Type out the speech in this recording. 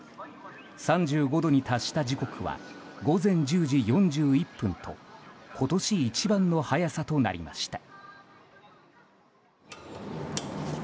３５度に達した時刻は午前１０時４１分と今年一番の早さとなりました。